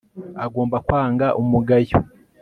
agomba kwanga umugayo